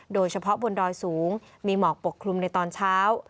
โดยเฉพาะบนดอยสูงมีหมอกปกคลุมในตอนเช้า